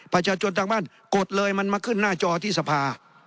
ประชาชนทางบ้านกดเลยมันมาขึ้นหน้าจอที่สภา